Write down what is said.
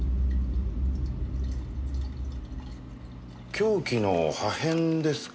凶器の破片ですか。